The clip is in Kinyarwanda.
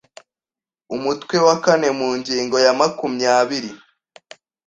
umutwe wa kane mu ngingo ya makumyabiri